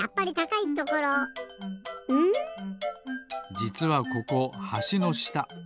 じつはここはしのした。